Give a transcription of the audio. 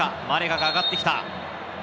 マレガが上がってきた。